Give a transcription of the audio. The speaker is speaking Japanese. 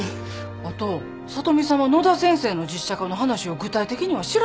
あと聡美さんは野田先生の実写化の話を具体的には知らなかったよ。